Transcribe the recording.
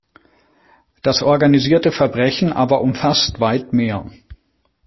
Das organisierte Verbrechen aber umfasst weit mehr.